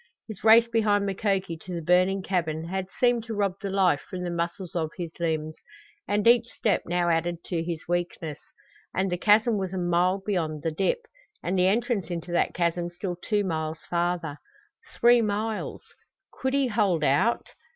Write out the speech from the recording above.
His race behind Mukoki to the burning cabin had seemed to rob the life from the muscles of his limbs, and each step now added to his weakness. And the chasm was a mile beyond the dip, and the entrance into that chasm still two miles farther. Three miles! Could he hold out?